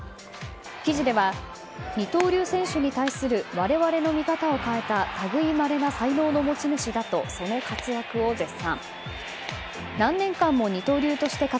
記事では二刀流選手に対する我々の見方を変えた類いまれな才能の持ち主だとその活躍を絶賛。